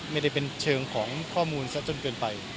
ไม่ได้เป็นเชิงของข้อมูลซะจนเกินไป